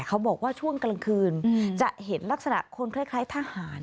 เขาบอกว่าช่วงกลางคืนจะเห็นลักษณะคนคล้ายทหาร